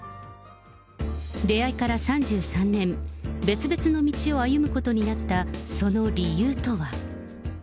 出会いから３３年、別々の道を歩むことになったその理由とは。